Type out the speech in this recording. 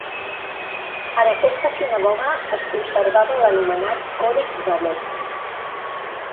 En aquesta sinagoga es conservava l'anomenat Còdex d'Alep.